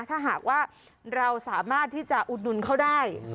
ถ้าหากว่าเราสามารถที่จะอุดหนุนเขาได้